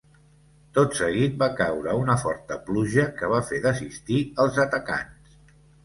Tot seguit va caure una forta pluja que va fer desistir els atacants.